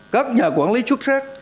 các nhà quản lý xuất sắc